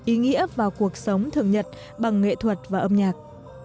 ý nghĩa vào cuộc sống thường nhật bằng nghệ thuật và âm nhạc